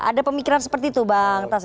ada pemikiran seperti itu bang tas